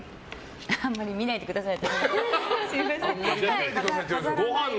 あまり見ないでください。